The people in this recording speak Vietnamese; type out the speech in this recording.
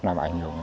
làm ảnh hưởng